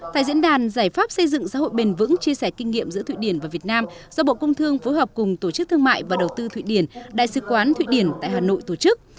tại diễn đàn giải pháp xây dựng xã hội bền vững chia sẻ kinh nghiệm giữa thụy điển và việt nam do bộ công thương phối hợp cùng tổ chức thương mại và đầu tư thụy điển đại sứ quán thụy điển tại hà nội tổ chức